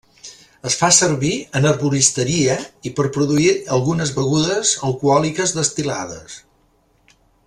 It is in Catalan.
Es fa servir en herboristeria i per produir algunes begudes alcohòliques destil·lades.